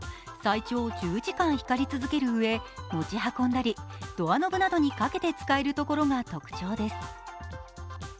最長１０時間光り続けるうえ持ち運んだり、ドアノブなどにかけて使えるところが特徴です。